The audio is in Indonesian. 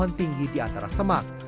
yang tinggi di antara semak